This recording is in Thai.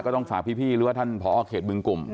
ต้องฝากพี่หรือว่าท่านผอเขตบึงกลุ่ม